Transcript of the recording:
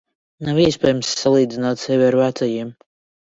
Nav iespējams salīdzināt sevi ar vecajiem.